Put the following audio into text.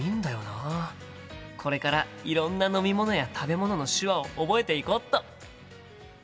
これからいろんな飲み物や食べ物の手話を覚えていこっと！